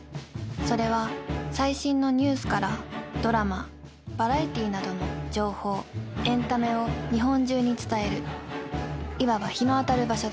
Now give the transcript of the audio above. それは最新のニュースからドラマバラエティーなどの情報エンタメを日本中に伝えるいわば日の当たる場所だ］